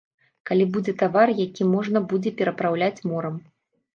Калі будзе тавар, які можна будзе перапраўляць морам.